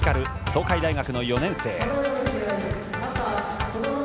東海大学の４年生。